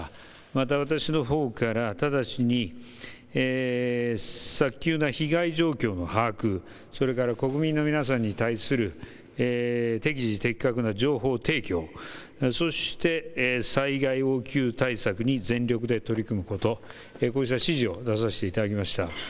また私のほうから直ちに早急の被害状況の把握、それから国民の皆様に対する適時的確な情報提供、そして災害対策に全力で取り組むことを指示させていただきました。